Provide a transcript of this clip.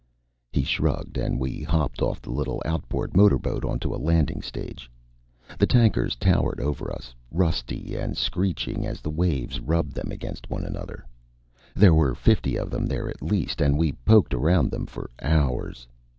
He shrugged, and we hopped off the little outboard motorboat onto a landing stage. The tankers towered over us, rusty and screeching as the waves rubbed them against each other. There were fifty of them there at least, and we poked around them for hours.